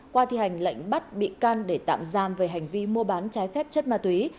qua thi hành lệnh bắt bị can để tạm giam về hành vi mua bán trái phép chất ma túy